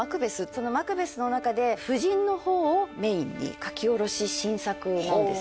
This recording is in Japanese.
その「マクベス」の中で夫人の方をメインに書き下ろし新作なんです